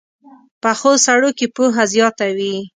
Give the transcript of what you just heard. پخو سړو کې پوهه زیاته وي